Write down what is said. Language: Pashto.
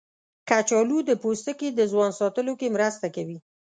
کچالو د پوستکي د ځوان ساتلو کې مرسته کوي.